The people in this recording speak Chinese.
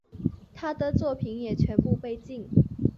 他的作品也全部被禁。